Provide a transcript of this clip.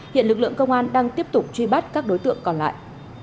hiện lực lượng công an đang tiếp tục truy bắt các đối tượng còn lại